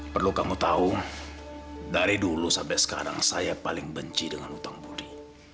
perlu kamu tahu dari dulu sampai sekarang saya paling benci dengan utang budi